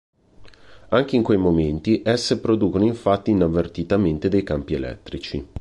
Anche in quei momenti esse producono infatti inavvertitamente dei campi elettrici.